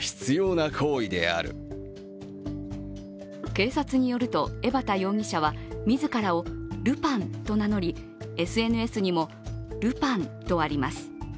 警察によると、江畑容疑者は自らをルパンと名乗りＳＮＳにも、ルパンとあります。